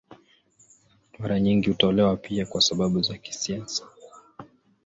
Mara nyingi hutolewa pia kwa sababu za kisiasa.